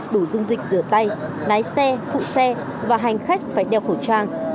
đủ dung dịch rửa tay lái xe phụ xe và hành khách phải đeo khẩu trang